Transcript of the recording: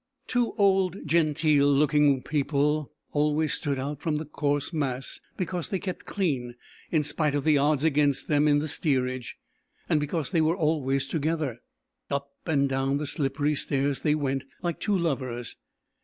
Two old genteel looking people always stood out from the coarse mass because they kept clean in spite of the odds against them in the steerage, and because they were always together. Up and down the slippery stairs they went, like two lovers.